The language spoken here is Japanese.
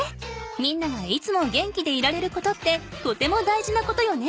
みんながいつも元気でいられることってとても大事なことよね。